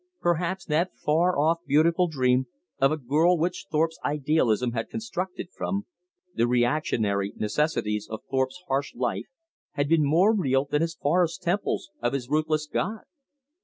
Perhaps that far off beautiful dream of a girl which Thorpe's idealism had constructed from; the reactionary necessities of Thorpe's harsh life had been more real than his forest temples of his ruthless god!